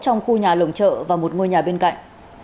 trong khu nhà lồng chợ và một ngôi nhà bên cạnh